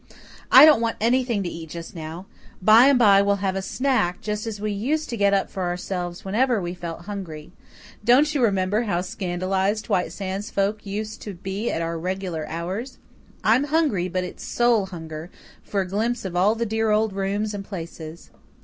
"I don't want anything to eat just now. By and by we'll have a snack; just as we used to get up for ourselves whenever we felt hungry. Don't you remember how scandalized White Sands folks used to be at our irregular hours? I'm hungry; but it's soul hunger, for a glimpse of all the dear old rooms and places.